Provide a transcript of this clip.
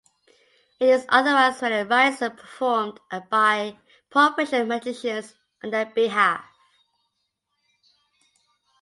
It is otherwise when the rites are performed by professional magicians on their behalf.